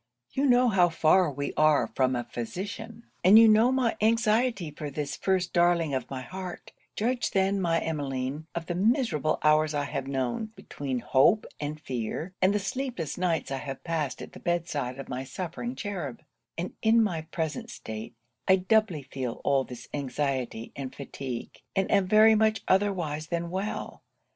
You know how far we are from a physician; and you know my anxiety for this first darling of my heart; judge then, my Emmeline, of the miserable hours I have known, between hope and fear, and the sleepless nights I have passed at the bed side of my suffering cherub; and in my present state I doubly feel all this anxiety and fatigue, and am very much otherwise than well.